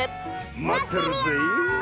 まってるぜえ。